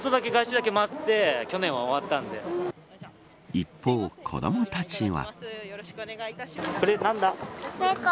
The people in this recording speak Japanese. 一方、子どもたちは。